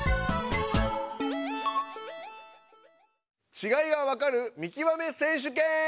ちがいがわかる「見極め選手権」！